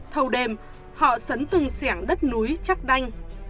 thâu đêm họ sấn từng sẻng đất núi chắc đanh